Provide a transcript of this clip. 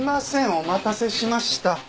お待たせしました。